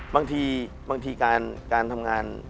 บางทีการทำงาน